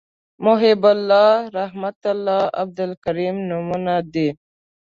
محیب الله رحمت الله عبدالکریم نومونه دي